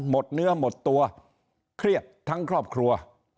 หมดเนื้อหมดตัวเครียดทั้งครอบครัว